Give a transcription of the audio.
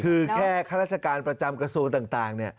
คือแค่ข้าราชการประจำกระทรวงต่าง